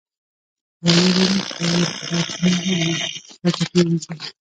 ویل یې نه پوهېږم چې دا چینی ولې له کوټې وځي.